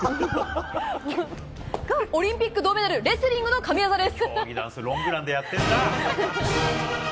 オリンピック銅メダルレスリングの神技です。